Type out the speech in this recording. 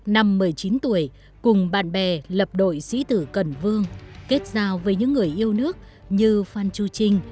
năm một mươi chín tuổi cùng bạn bè lập đội sĩ tử cần vương kết giao với những người yêu nước như phan chu trinh